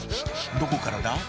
どこからだ？